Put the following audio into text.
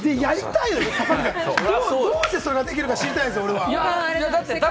どうしてそれができるのか知りたいんですよ俺は。